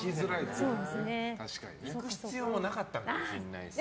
行く必要もなかったかもしれませんね。